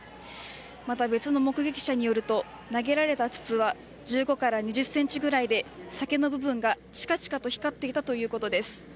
また、別の目撃者によると投げられた筒は１５２０ｃｍくらいで先の部分がチカチカと光っていたということです。